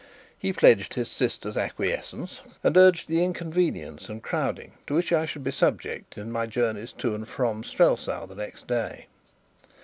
He pledged his sister's acquiescence, and urged the inconvenience and crowding to which I should be subject in my journeys to and from Strelsau the next day.